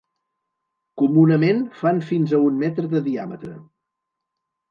Comunament fan fins a un metre de diàmetre.